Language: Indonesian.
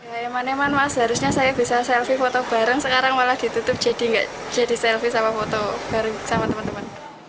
ya emang eman mas seharusnya saya bisa selfie foto bareng sekarang malah ditutup jadi nggak jadi selfie sama foto baru sama teman teman